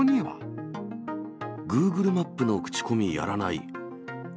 グーグルマップの口コミやらない。